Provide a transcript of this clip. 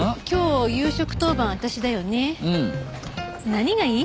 何がいい？